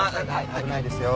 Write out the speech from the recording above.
危ないですよ。